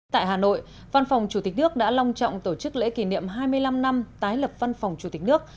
tại hà nội văn phòng chủ tịch nước đã long trọng tổ chức lễ kỷ niệm hai mươi năm năm tái lập văn phòng chủ tịch nước